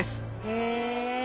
へえ。